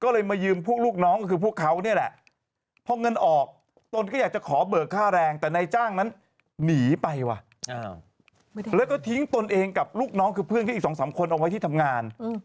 ลูกน้องคือเพื่อนก็อีก๒๓คนออกไว้ที่ทำงาน